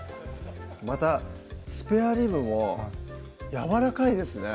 またスペアリブもやわらかいですね